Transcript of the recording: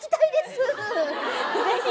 ぜひ。